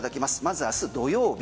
まず明日土曜日